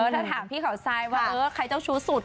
ถ้าถามพี่เขาทรายว่าเออใครเจ้าชู้สุด